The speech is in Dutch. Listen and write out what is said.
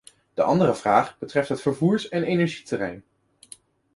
De andere vraag betreft het vervoers- en energieterrein.